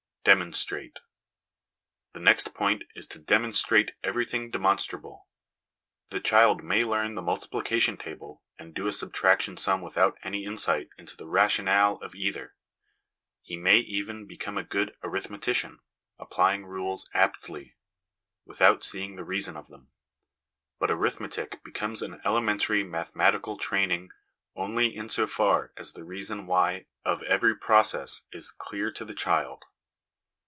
Demonstrate. The next point is to demonstrate everything demonstrable. The child may learn the multiplication table and do a subtraction sum without any insight into the rationale of either. He may even become a good arithmetician, applying rules aptly, without seeing the reason of them ; but arithmetic becomes an elementary mathematical training only 256 HOME EDUCATION in so far as the reason why of every process is clear to the child.